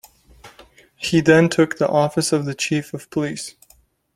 He then took the office of Chief of Police.